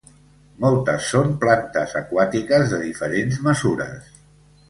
Moltes són plantes aquàtiques de diferents mesures.